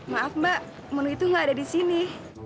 maaf mbak menu itu nggak ada di sini